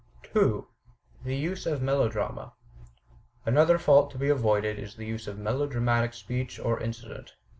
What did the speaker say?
2. The Use of Melodrama Another fault to be avoided is the use of melodramatic speech or incident.